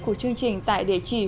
của chương trình tại địa chỉ